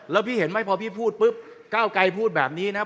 แล้วพี่เห็นไหมพอพี่พูดปุ๊บก้าวไกรพูดแบบนี้นะครับ